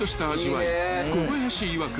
［小林いわく